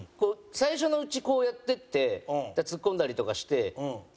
最初のうちこうやっていってツッコんだりとかして。